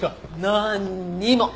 なんにも。